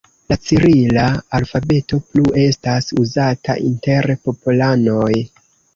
La cirila alfabeto plu estas uzata inter popolanoj.